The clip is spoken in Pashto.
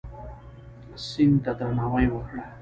سیند ته درناوی وکړه.